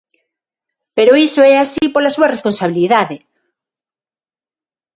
Pero iso é así pola súa responsabilidade.